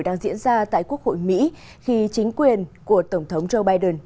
đang diễn ra tại quốc hội mỹ khi chính quyền của tổng thống joe biden